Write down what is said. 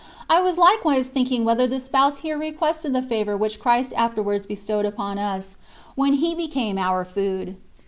I was likewise thinking whether the Spouse here re quested the favour which Christ afterwards be stowed upon us, when He became our food.